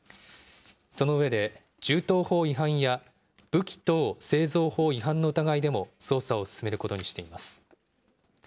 その上で、銃刀法違反や武器等製造法違反の疑いでも捜査を進めることにしています。